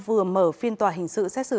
vừa mở phiên tòa hình sự xét xử